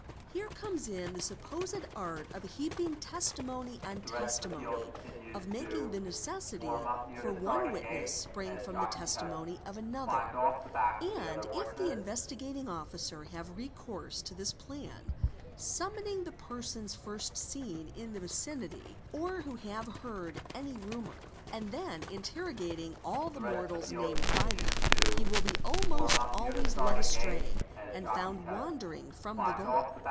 Here comes in the supposed art of heaping testimony on testimony, of making the necessity for one | witness spring from the testimony of another; and if the Investigating" Officer have recourse to this plan, summoning the persons first seen in 1a vicinity or who have heard any rumour, and then interrogating all the mortals named by them, he will be almost always led astray and founé wandering from the goal.